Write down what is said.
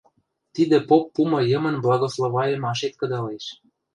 – Тидӹ поп пумы йымын благословайымашет кыдалеш...